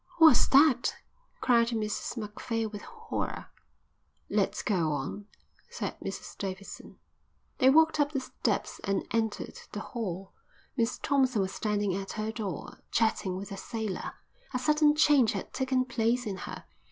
"What's that?" cried Mrs Macphail with horror. "Let's go on," said Mrs Davidson. They walked up the steps and entered the hall. Miss Thompson was standing at her door, chatting with a sailor. A sudden change had taken place in her.